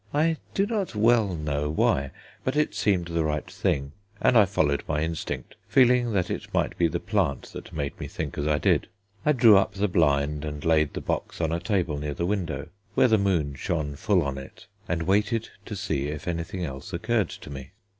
I do not well know why, but it seemed the right thing, and I followed my instinct, feeling that it might be the plant that made me think as I did. I drew up the blind and laid the box on a table near the window, where the moon shone full on it, and waited to see if anything else occurred to me.